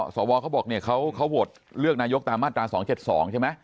สวก็บอกคบทเลือกนายกตามมาตรา๒๗๒ใช่ไหม